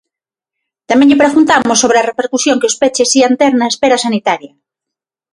Tamén lle preguntamos sobre a repercusión que os peches ían ter na espera sanitaria.